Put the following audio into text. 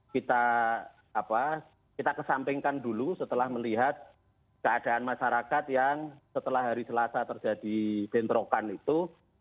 kita kesampingkan dulu setelah melihat keadaan masyarakat yang setelah hari selasa terjadi bentrokan itu